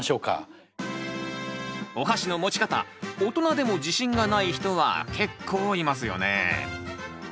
おはしの持ち方大人でも自信がない人は結構いますよね。